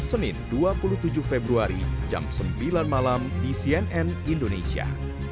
senin dua puluh tujuh februari jam sembilan malam di cnn indonesia